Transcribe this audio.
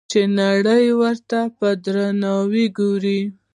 چې نړۍ ورته په درناوي ګوري.